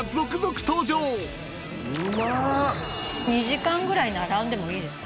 ２時間ぐらい並んでもいいです。